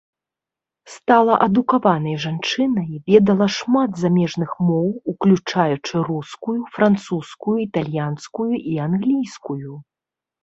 Стала адукаванай жанчынай, ведала шмат замежных моў, уключаючы рускую, французскую, італьянскую і англійскую.